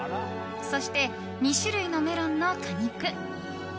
そして２種類のメロンの果肉。